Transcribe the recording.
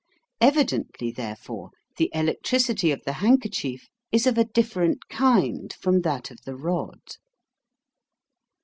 Evidently, therefore, the electricity of the handkerchief is of a different kind from that of the rod.